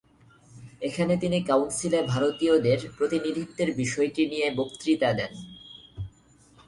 এখানে তিনি কাউন্সিলে ভারতীয়দের প্রতিনিধিত্বের বিষয়টি নিয়ে বক্তৃতা দেন।